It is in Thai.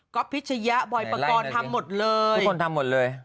พิชยะบอยปกรณ์ทำหมดเลยทุกคนทำหมดเลย